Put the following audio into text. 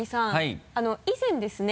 以前ですね